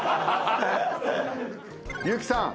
結木さん